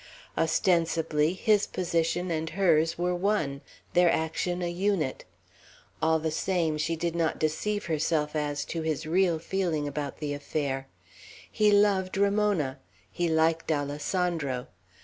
Ostensibly, his position and hers were one, their action a unit; all the same, she did not deceive herself as to his real feeling about the affair. He loved Ramona. He liked Alessandro.